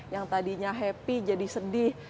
yang tadinya happy jadi sedih